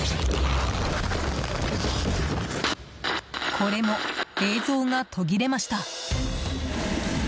これも映像が途切れました。